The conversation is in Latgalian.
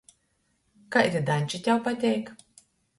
Kaidi daņči tev pateik?